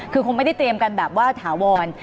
คือคงไม่ได้เตรียมกันแบบว่าถาวร